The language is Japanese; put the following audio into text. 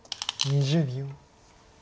２０秒。